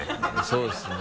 そうですね。